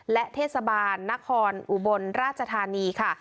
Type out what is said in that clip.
และเทศบาลนครอุบลราชธานีค่ะ